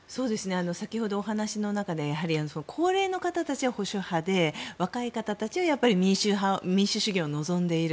先ほどお話の中で高齢の方たちは保守派で若い方たちは民主主義を望んでいる。